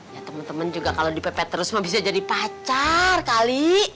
ya teman teman juga kalau dipepet terus mah bisa jadi pacar kali